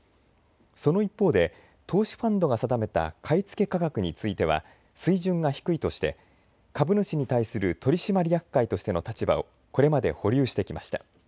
その一方で投資ファンドが定めた買い付け価格については水準が低いとして株主に対する取締役会としての立場をこれまで保留してきました。